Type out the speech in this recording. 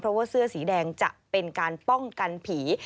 เพราะว่าเสื้อสีแดงจะเป็นการป้องกันผี